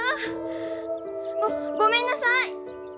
ごごめんなさい！